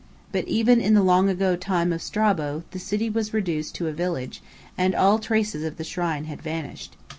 But even in the long ago time of Strabo, the city was reduced to a village, and all traces of the shrine had vanished.